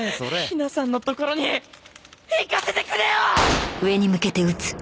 陽菜さんのところに行かせてくれよ！